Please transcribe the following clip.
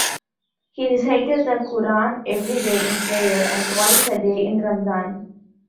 He recited the Qur'an every day in prayer, and twice a day in Ramadan.